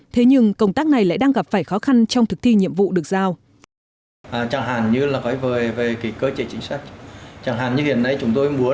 thế nhưng công tác này lại đang gặp phải khó khăn trong thực thi nhiệm vụ được giao